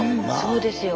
そうですよ。